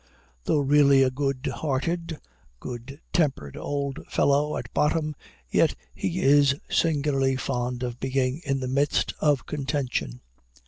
Though really a good hearted, good tempered old fellow at bottom, yet he is singularly fond of being in the midst of contention.